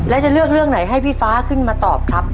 แล้วจะเลือกเรื่องไหนให้พี่ฟ้าขึ้นมาตอบครับ